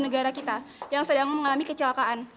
negara kita yang sedang mengalami kecelakaan